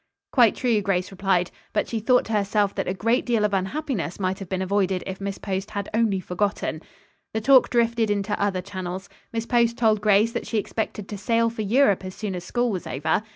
"Quite true," Grace replied, but she thought to herself that a great deal of unhappiness might have been avoided if Miss Post had only forgotten. The talk drifted into other channels. Miss Post told Grace that she expected to sail for Europe as soon as school was over.